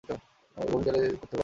বমি করতে চাইলে করতে পারেন!